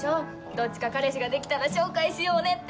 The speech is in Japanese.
どっちか彼氏ができたら紹介しようねって。